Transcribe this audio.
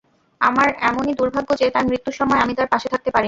আমার এমনই দুর্ভাগ্য যে, তার মৃত্যুর সময় আমি তার পাশে থাকতে পারিনি।